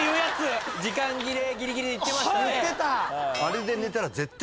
時間切れギリギリに言ってましたね。